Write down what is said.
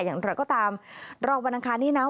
อย่างนั้นเราก็ตามรองวันอังคารนี้นะ